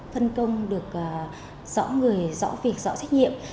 phân công được rõ việc rõ trách nhiệm